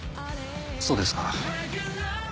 そうですか。